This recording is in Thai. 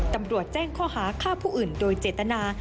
ตำรวจแจ้งข้อหาฆ่าผู้อื่นโดยเจตนา